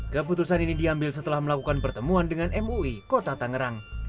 keputusan ini diambil setelah melakukan pertemuan dengan mui kota tangerang